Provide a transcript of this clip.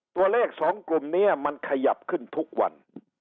ตัวเลข๒กลุ่มนี้มันขยับขึ้นทุกวัน